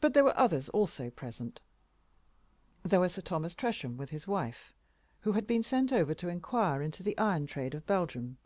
But there were others also present. There were Sir Thomas Tresham, with his wife, who had been sent over to inquire into the iron trade of Belgium.